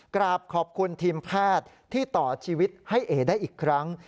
กราบขอบคุณทีมแพทย์ที่ต่อชีวิตให้เอ๋ได้อีกครั้ง